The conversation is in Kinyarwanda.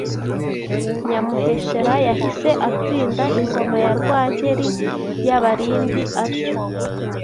Nyamuheshera yahise atsinda Ingoma ya Rwankeli y’Abalindi atyo